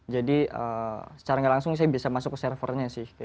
jadi secara nggak langsung saya bisa masuk ke servernya sih